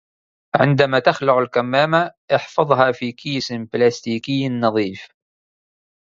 عندما تخلع الكمامة، احفظها في كيس بلاستيكي نظيف